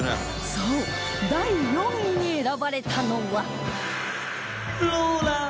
そう第４位に選ばれたのは